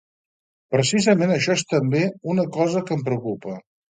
Precisament això és també una cosa que em preocupa.